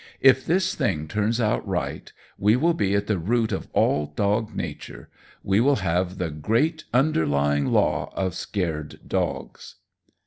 If this thing turns out right, we will be at the root of all dog nature. We will have the great underlying law of scared dogs."